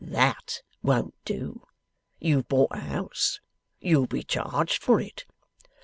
THAT won't do. You've bought a house. You'll be charged for it.